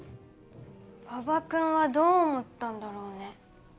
馬場君はどう思ったんだろうね？